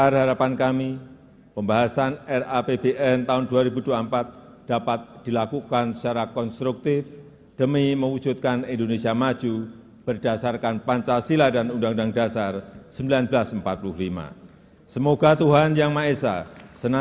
rasio gini dalam kisaran tiga ratus tujuh puluh empat hingga tujuh persen